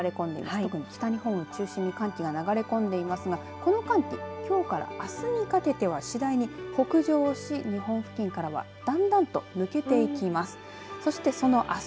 特に北日本を中心に寒気が流れ込んでいますがこの寒気、きょうからあすにかけては次第に北上し、日本付近からはだんだんと抜けていきます。